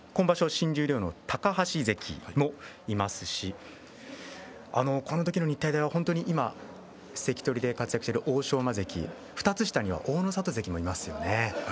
新十両の高橋関もいますしこの時の日体大は今関取で活躍している欧勝馬関、２つ下には大の里関もいますよね。